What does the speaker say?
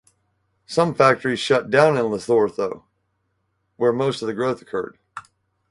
Some factories shut down in Lesotho, where most of the growth occurred.